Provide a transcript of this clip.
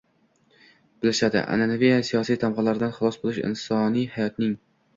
bilishadi. An’anaviy siyosiy tamg‘alardan xalos bo‘lish, insoniy hayotning